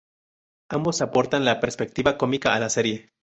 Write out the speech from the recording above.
Ambos aportan la perspectiva cómica a la serie.